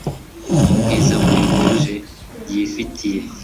mu bwiza buhebuje yifitiye